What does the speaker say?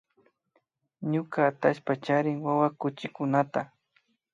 Ñuka atallpa charin wawa chuchikunata